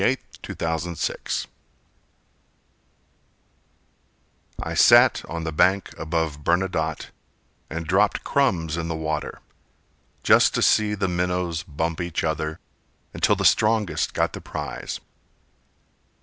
Schrœder The Fisherman I sat on the bank above Bernadotte And dropped crumbs in the water, Just to see the minnows bump each other, Until the strongest got the prize.